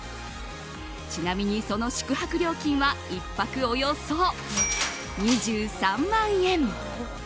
ちなみに、その宿泊料金は１泊およそ２３万円！